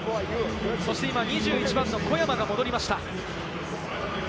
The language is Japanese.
そして今２１番の小山が戻りました。